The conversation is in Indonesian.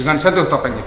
jangan seduh topeng itu